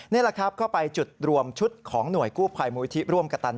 นี่แหละครับเข้าไปจุดรวมชุดของหน่วยกู้ภัยมูลิธิร่วมกระตัน